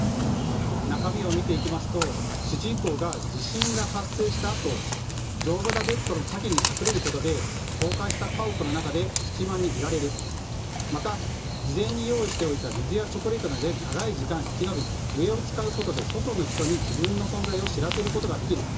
中身を見ていきますと主人公が、地震が発生したあと丈夫なベッドの陰に隠れることで倒壊した家屋の中で隙間にいられるまた、事前に用意しておいた水やチョコレートなどで長い時間生き延び笛を使うことで外の人に自分の存在を知らせることができる。